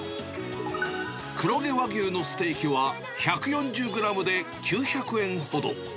黒毛和牛のステーキは１４０グラムで９００円ほど。